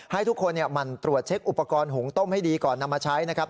ให้ทุกคนหมั่นตรวจเช็คอุปกรณ์หุงต้มให้ดีก่อนนำมาใช้นะครับ